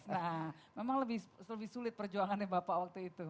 nah memang lebih sulit perjuangannya bapak waktu itu